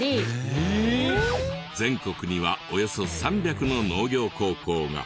全国にはおよそ３００の農業高校が。